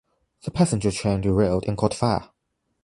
The passenger train derailed and caught fire.